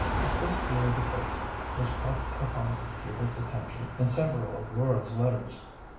This view of the case was pressed upon Hubert's attention in several of Laura's letters.